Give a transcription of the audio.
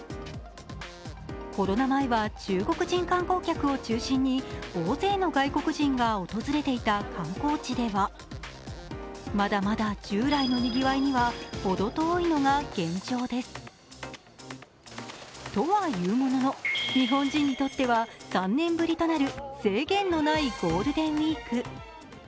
コロナ前は中国人観光客を中心に大勢の外国人が訪れていた観光地では、まだまだ従来のにぎわいには程遠いのが現状です。とはいうものの、日本人にとっては３年ぶりとなる制限のないゴールデンウイーク。